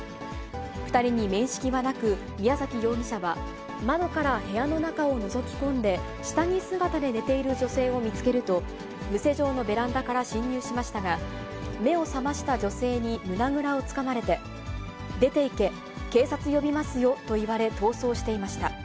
２人に面識はなく、宮崎容疑者は窓から部屋の中をのぞき込んで、下着姿で寝ている女性を見つけると、無施錠のベランダから侵入しましたが、目を覚ました女性に胸倉をつかまれて、出ていけ、警察呼びますよと言われ、逃走していました。